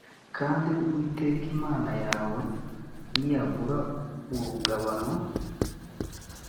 kandi uwiteka imana yawe niyagura urugabano